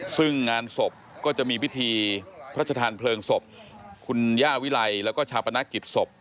ซึ่งงานศพก็จะมีพิธีพระชธานเพลิงศพคุณย่าวิไลแล้วก็ชาปนกิจศพ